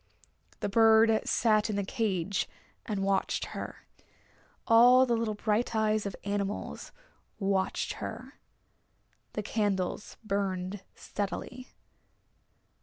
The bird sat in the cage and watched her. All the little bright eyes of animals watched her. The candles burned steadily.